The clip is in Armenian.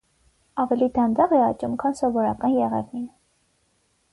Ավելի դանդաղ է աճում, քան սովորական եղևնին։